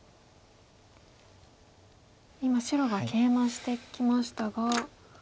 今白がケイマしてきましたが。